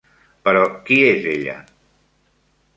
Però qui és ella?